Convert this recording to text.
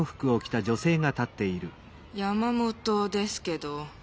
山本ですけど。